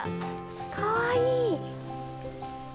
かわいい！